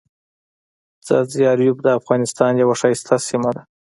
ځاځي اریوب دافغانستان یوه ښایسته سیمه ده.